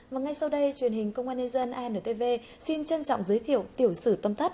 và ngay sau đây truyền hình công an nhân dân antv xin trân trọng giới thiệu tiểu sử tâm thất